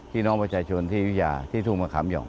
พี่น้องประชาชนที่วิทยาที่ทุ่งมะขามหย่อง